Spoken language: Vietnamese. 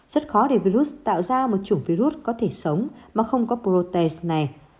rất khó để virus tạo ra một chủng virus có thể sống mà không có prote này